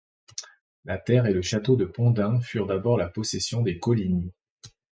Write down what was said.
La terre et le château de Pont d'Ain furent d'abord la possession des Coligny.